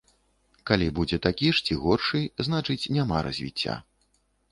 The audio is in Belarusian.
Калі будзе такі ж ці горшы, значыць няма развіцця.